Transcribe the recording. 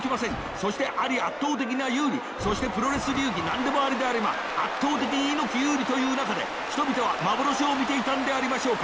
そしてアリ圧倒的な有利そしてプロレス流に何でもありであれば圧倒的猪木有利という中で人々は幻を見ていたんでありましょうか？